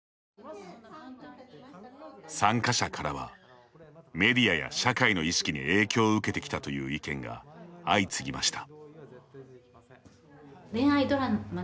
参加者からはメディアや社会の意識に影響を受けてきたという意見が相次ぎました。